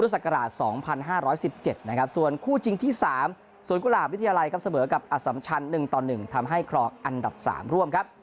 ส่วนคู่จริงที่๓ส่วนกุหลาบวิทยาลัยเสมอกับอสัมชัน๑ต่อ๑ทำให้คลอกอันดับ๓ร่วมครับ